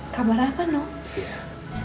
kabar apa noh